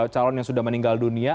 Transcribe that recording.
calon yang sudah meninggal dunia